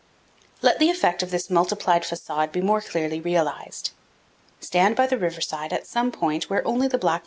Let the effect of this multiplied facade be more clearly realized. Stand by the river side at some point where only the black gneiss 381 powell canyons 245.